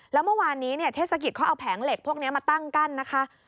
แล้วเมื่อวานนี้เทศกิจเขาเอาแผงเหล็กพวกนี้มาตั้งกั้นนะคะ